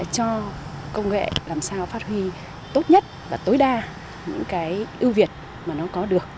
cho công nghệ làm sao phát huy tốt nhất và tối đa những cái ưu việt mà nó có được